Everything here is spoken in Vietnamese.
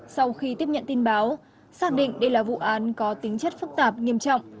sau khi tiếp nhận tin báo xác định đây là vụ án có tính chất phức tạp nghiêm trọng